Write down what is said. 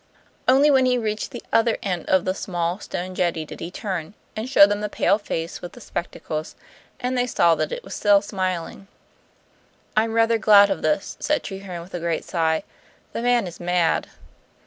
Only when he reached the other end of the small stone jetty did he turn, and show them the pale face with the spectacles; and they saw that it was still smiling. "I'm rather glad of this," said Treherne, with a great sigh. "The man is mad."